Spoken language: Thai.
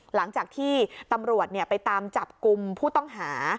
หลังจากที่ตำรวจไปตามจับกลุ่มผู้ต้องหา